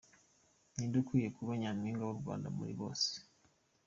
Ni nde ukwiye kuba Nyampinga w’u Rwanda muri bose?.